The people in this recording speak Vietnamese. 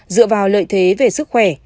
dựa vào lợi thế về sức khỏe